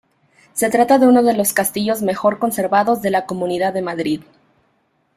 Se trata de uno de los castillos mejor conservados de la Comunidad de Madrid.